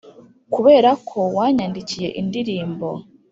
kuberako wanyandikiye indirimbo.